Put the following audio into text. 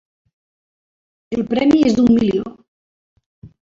El premi és d'un milió.